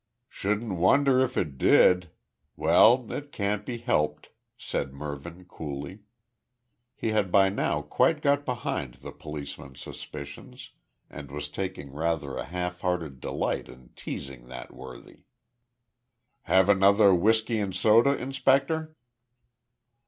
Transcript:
"Shouldn't wonder if it did. Well, it can't be helped," said Mervyn coolly. He had by now quite got behind the policeman's suspicions, and was taking rather a half hearted delight in teasing that worthy. "Have another whisky and soda, inspector?"